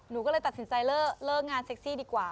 หนูก็เลยตัดสินใจเลิกงานเซ็กซี่ดีกว่า